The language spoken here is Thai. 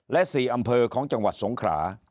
และ๔อำเภอของจังหวัดสงขรา